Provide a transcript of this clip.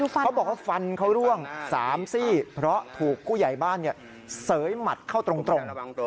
เขาบอกว่าฟันเขาร่วง๓ซี่เพราะถูกผู้ใหญ่บ้านเสยหมัดเข้าตรง